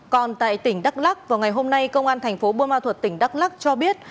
còn tại tỉnh đắk lắc vào ngày hôm nay công an thành phố bô ma thuật tỉnh đắk lắc cho biết